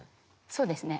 そうですね